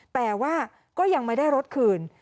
แต่ว่าก็ยังไม่ได้รถคืน